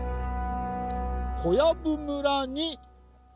「小籔村に」